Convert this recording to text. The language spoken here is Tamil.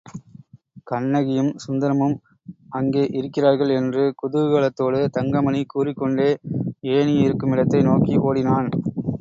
கண்ணகியும் சுந்தரமும் அங்கே இருக்கிறார்கள் என்று குதூகலத்தோடு தங்கமணி கூறிக்கொண்டே ஏணியிருக்குமிடத்தை நோக்கி ஓடினான்.